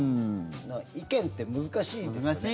意見って難しいですよね